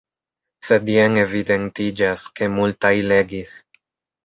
Sed jen evidentiĝas, ke multaj legis.